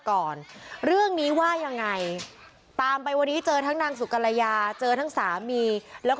โอ้โฮโอ้โฮโอ้โฮโอ้โฮโอ้โฮโอ้โฮ